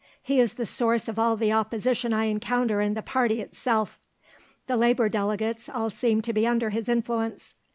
He is the source of all the opposition I encounter in the party itself; the Labour Delegates all seem to be under his influence.